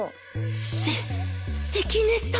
せ関根さん！